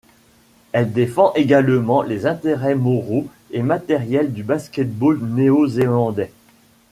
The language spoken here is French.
Elle défend également les intérêts moraux et matériels du basket-ball néo-zélandais.